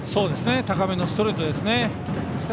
高めのストレートですね。